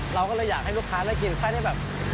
เราก็เลยอยากให้ลูกค้าได้กินไส้ที่แบบ